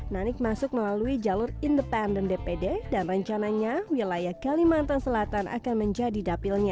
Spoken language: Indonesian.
nanik masuk melalui jalur independen dpd dan rencananya wilayah kalimantan selatan akan menjadi dapilnya